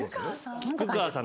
・菊川さん！